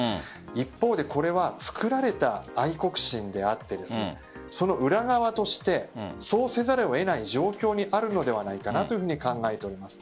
一方でこれは作られた愛国心であってその裏側としてそうせざるを得ない状況にあるのではないかと考えております。